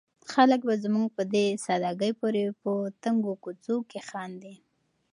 خلک به زموږ په دې ساده ګۍ پورې په تنګو کوڅو کې خاندي.